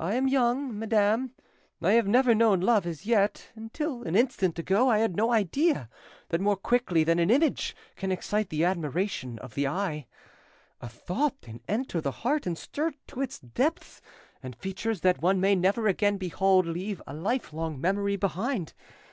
I am young, madam, I have never known love as yet—until an instant ago I had no idea that more quickly than an image can excite the admiration of the eye, a thought can enter the heart and stir it to its depths, and features that one may never again behold leave a lifelong memory behind.